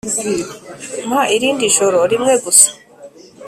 Mpa irindi joro rimwe gusa